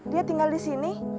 dia tinggal disini